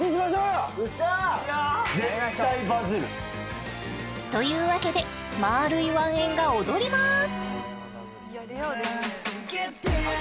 よっしゃー！というわけでまぁるいワンエンが踊ります！